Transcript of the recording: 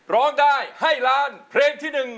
ร้องได้ให้ล้านเพลงที่๑